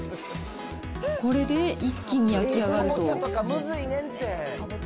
これで一気に焼き上がると。